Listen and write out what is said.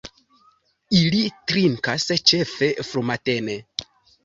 Ili trinkas ĉefe frumatene.